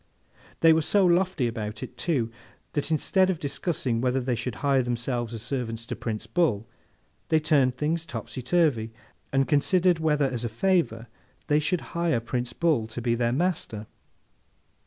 They were so lofty about it, too, that instead of discussing whether they should hire themselves as servants to Prince Bull, they turned things topsy turvy, and considered whether as a favour they should hire Prince Bull to be their master!